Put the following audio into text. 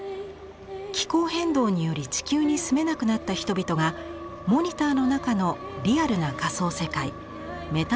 気候変動により地球に住めなくなった人々がモニターの中のリアルな仮想世界メタバースに住んでいます。